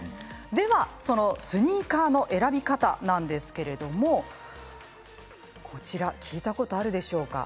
ではスニーカーの選び方なんですけれどこちら聞いたことがあるでしょうか。